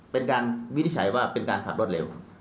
เป็นการวินิจฉัยว่าเป็นการขับรถเร็ว